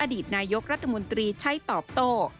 อดีตนายกรัฐมนตรีใช้ตอบโต้